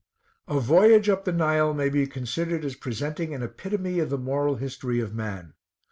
A voyage up the Nile may be considered as presenting an epitome of the moral history of man.